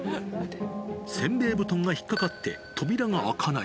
せんべい布団が引っ掛かって扉が開かない。